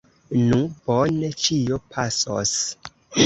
Nu, bone, ĉio pasos!